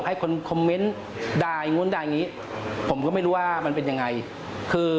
ให้คนคอมเมนต์ได้ง้นได้อย่างงี้ผมก็ไม่รู้ว่ามันเป็นยังไงคือ